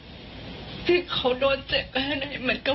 จริงก็คืออยากให้เขาก็ที่โดนเหมือนกัน